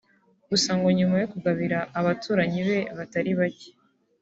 Gusa ngo nyuma yo kugabira abaturanyi be batari bake